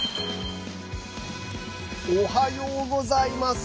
おはようございます。